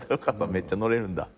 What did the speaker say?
めっちゃ乗れるんだ。